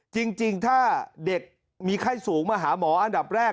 จริงถ้าเด็กมีไข้สูงมาหาหมออันดับแรก